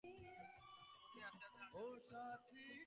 কুমুদিনী আস্তে আস্তে হাতটাকে মুক্ত করতে চেষ্টা করলে।